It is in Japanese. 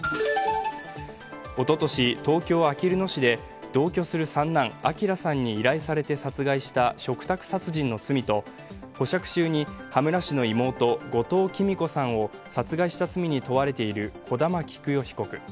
おととし、東京・あきる野市で同居する三男・昭さんに依頼されて殺害した嘱託殺人の罪と、保釈中に羽村市の妹、後藤喜美子さんを殺害した罪に問われている小玉喜久代被告。